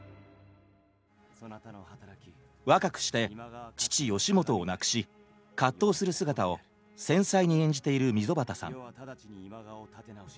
若くして父義元を亡くし葛藤する姿を繊細に演じている溝端さん。